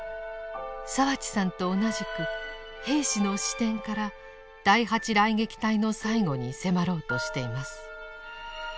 澤地さんと同じく兵士の視点から第８雷撃隊の最期に迫ろうとしています。